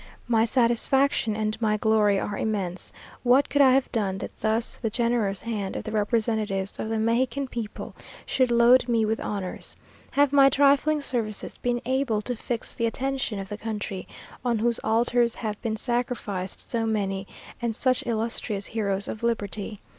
My satisfaction and my glory are immense. What could I have done, that thus the generous hand of the representatives of the Mexican people should load me with honours? Have my trifling services been able to fix the attention of the country, on whose altars have been sacrificed so many and such illustrious heroes of liberty?